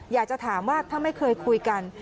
อยากจะถามว่าถ้าไม่เคยคุยกัน